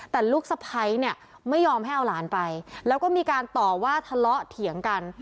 แต่ลูกสะพ้ายเนี่ยไม่ยอมให้เอาหลานไปแล้วก็มีการต่อว่าทะเลาะเถียงกัน